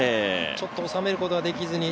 ちょっとおさめることができずに。